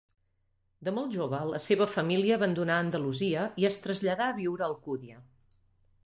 De molt jove, la seva família abandonà Andalusia i es traslladà a viure a Alcúdia.